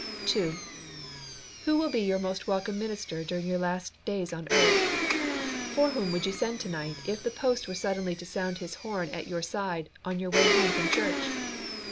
2. Who will be your most welcome minister during your last days on earth? For whom would you send to night if the post were suddenly to sound his horn at your side on your way home from church?